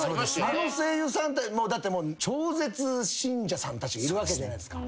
あの声優さんってだってもう超絶信者さんたちいるわけじゃないですか。